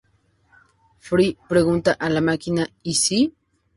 Fry pregunta a la máquina "¿Y si?